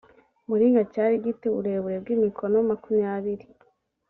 muringa cyari gi te uburebure bw imikono makumyabiri